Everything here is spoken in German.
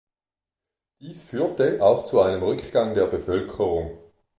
Dies führte auch zu einem Rückgang der Bevölkerung.